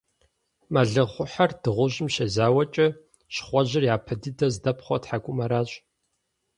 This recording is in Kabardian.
Мэлыхъуэхьэр дыгъужьым щезауэкӀэ щхъуэжьыр япэ дыдэ здэпхъуэр тхьэкӀумэращ.